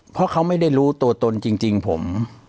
เพราะเขาไม่ได้รู้ตัวตนจริงผม